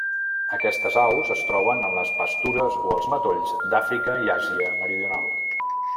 Aquestes aus es troben en les pastures o els matolls d'Àfrica i Àsia meridional.